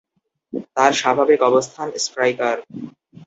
তার স্বাভাবিক অবস্থান স্ট্রাইকার।